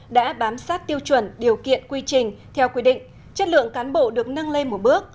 đã bám sát tiêu chuẩn điều kiện quy trình theo quy định chất lượng cán bộ được nâng lên một bước